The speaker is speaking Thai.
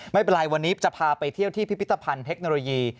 ไม่เป็นไรวันนี้จะพาไปเที่ยวที่พิพิธภัณฑ์เทคโนโลยี